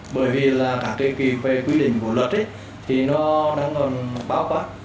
bởi vì là các kỳ về quy định của luật thì nó đang còn báo quát